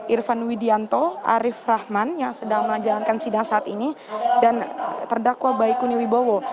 irfan widianto arief rahman yang sedang menjalankan sidang saat ini dan terdakwa baikuni wibowo